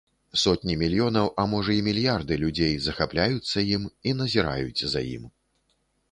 Сотні мільёнаў, а можа, і мільярды людзей захапляюцца ім і назіраюць за ім.